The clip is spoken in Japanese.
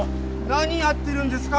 何やってるんですか？